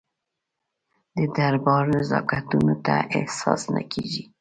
د دربار نزاکتونه ته احساس نه کېږي.